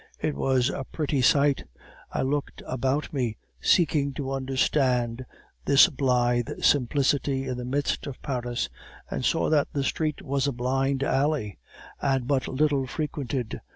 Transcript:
It was a pretty sight. I looked about me, seeking to understand this blithe simplicity in the midst of Paris, and saw that the street was a blind alley and but little frequented.